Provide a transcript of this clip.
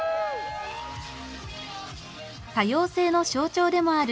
多様性の象徴でもある